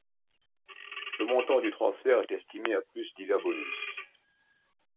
Le montant du transfert est estimé à plus divers bonus.